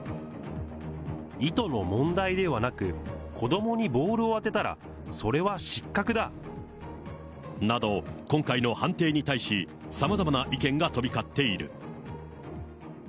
意図の問題ではなく、子どもにボールを当てたら、など、今回の判定に対し、さまざまな意見が飛び交っている。